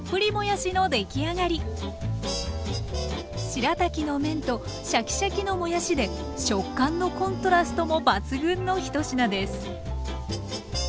しらたきの麺とシャキシャキのもやしで食感のコントラストも抜群の１品です。